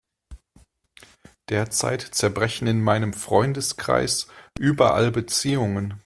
Derzeit zerbrechen in meinem Freundeskreis überall Beziehungen.